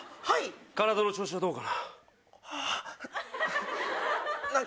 体の調子はどうかな。